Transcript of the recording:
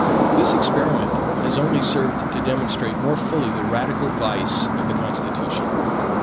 This experiment has only served to demonstrate more fully the radical vice of the constitution.